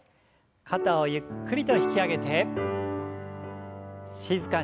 肩をゆっくりと引き上げて静かに下ろします。